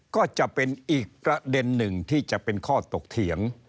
ก็จะเป็นอีกประเด็นหนึ่งที่จะเป็นข้อตกเถียง